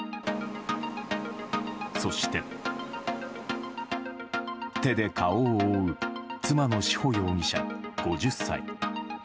そして、手で顔を覆う妻の志保容疑者、５０歳。